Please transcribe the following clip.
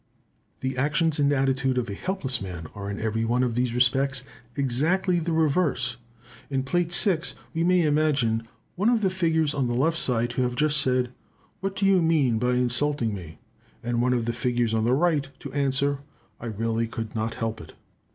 The actions and attitude of a helpless man are, in every one of these respects, exactly the reverse. In Plate VI. we may imagine one of the figures on the left side to have just said, "What do you mean by insulting me?" and one of the figures on the right side to answer, "I really could not help it."